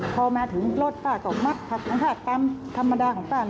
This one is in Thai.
พอมาถึงรถป้าก็มักผักตามธรรมดาของป้า